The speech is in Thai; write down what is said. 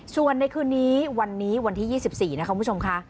ส่วนในคืนนี้วันนี้วันที่๒๔นะคะคุณผู้ชมค่ะ